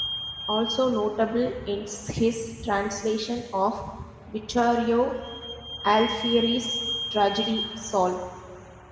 Also notable is his translation of Vittorio Alfieri's tragedy "Saul".